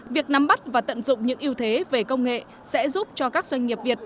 việc nắm bắt và tận dụng những ưu thế về công nghệ sẽ giúp cho các doanh nghiệp việt